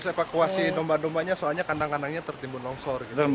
di evakuasi nomba nombanya soalnya kandang kandangnya tertimbun longsor